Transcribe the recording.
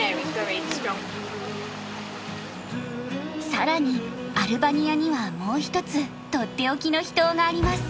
更にアルバニアにはもう一つとっておきの秘湯があります。